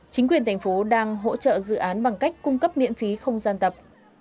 chính quyền thành phố đang hỗ trợ dự án bằng cách cung cấp miễn phí không gian tập